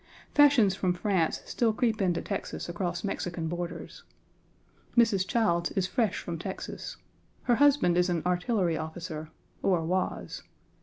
Fashions from France still creep into Texas across Mexican borders. Mrs. Childs is fresh from Texas. Her husband is an artillery officer, or was.